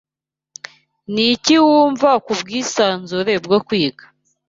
Niki wumva kubwisanzure bwo kwiga